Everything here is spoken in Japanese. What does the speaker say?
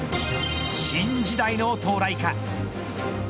新時代の到来か。